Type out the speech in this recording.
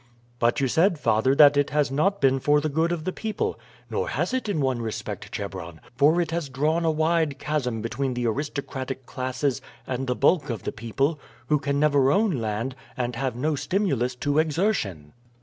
"But you said, father, that it has not been for the good of the people." "Nor has it in one respect, Chebron, for it has drawn a wide chasm between the aristocratic classes and the bulk of the people, who can never own land, and have no stimulus to exertion."